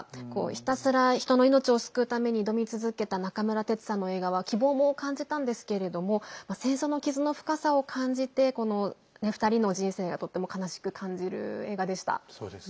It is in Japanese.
ひたすら人の命を救うために挑み続けた中村哲さんの映画は希望も感じたんですけれども戦争の傷の深さを感じてこの２人の人生がとっても悲しく感じる映画でした。